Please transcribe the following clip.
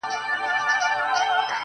څه عجيبه شان سيتار کي يې ويده کړم_